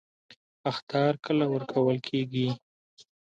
اخطار کله ورکول کیږي؟